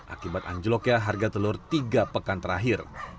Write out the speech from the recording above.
akibat anjloknya harga telur tiga pekan terakhir